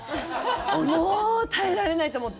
もう耐えられないと思って。